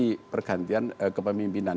jadi pergantian kepemimpinan